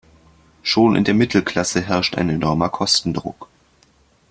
Schon in der Mittelklasse herrscht ein enormer Kostendruck.